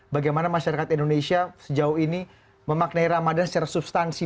bagaimana masyarakat indonesia sejauh ini memaknai ramadan secara substansi